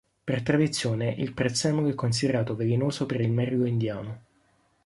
Per tradizione il prezzemolo è considerato velenoso per il merlo indiano.